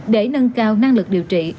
để nâng cao năng lực điều trị